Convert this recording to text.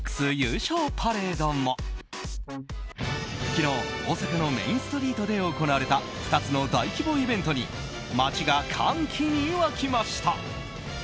昨日、大阪のメインストリートで行われた２つの大規模イベントに街が歓喜に沸きました。